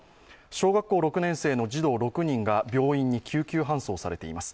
小学校６年生の児童６人が病院に救急搬送されています。